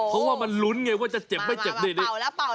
พอว่ามันรุ้นเงี้ยว่าจะเจ็บมั้ยเจ็บเด็กนี้